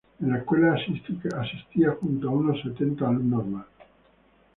En la escuela asistía junto a unos setenta alumnos más.